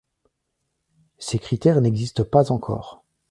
Ces critères n'existent pas encore.